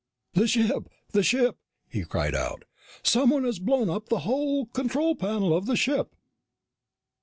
"The ship! The ship!" he cried out. "Someone has blown up the whole control panel of the ship!"